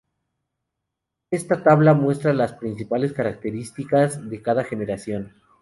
Esta tabla muestra las principales características de cada generación.